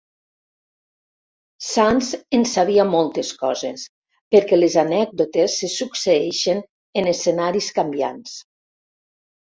Sants en sabia moltes coses, perquè les anècdotes se succeeixen en escenaris canviants.